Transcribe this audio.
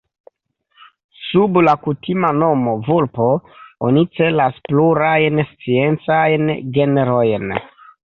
Sub la kutima nomo "vulpo" oni celas plurajn sciencajn genrojn.